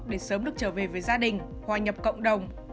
để sớm được trở về với gia đình hòa nhập cộng đồng